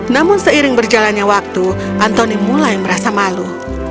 namun seiring berjalannya waktu antoni mulai merasa malu